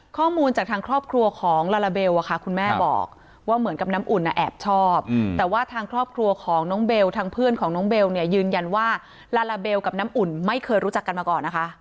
ข้อมูลจากทางครอบครัวของลาลาเบลคุณแม่บอกว่าเหมือนกับน้ำอุ่นแอบชอบแต่ว่าทางครอบครัวของน้องเบลทางเพื่อนของน้องเบลเนี่ยยืนยันว่าลาลาเบลกับน้ำอุ่นไม่เคยรู้จักกันมาก่อนนะคะ